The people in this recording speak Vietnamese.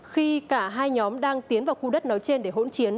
khi cả hai nhóm đang tiến vào khu đất nói trên để hỗn chiến